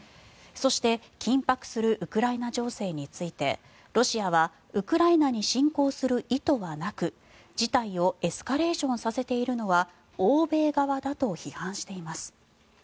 そして緊迫するウクライナ情勢についてロシアはウクライナに侵攻する意図はなく事態をエスカレーションさせているのは欧米側だと批判しています。